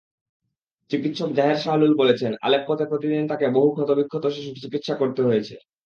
চিকিৎসক Zaher Shahlul বলেছেন, আলেপ্পোতে প্রতিদিন তাঁকে বহু ক্ষতবিক্ষত শিশুর চিকিৎসা করতে হয়েছে।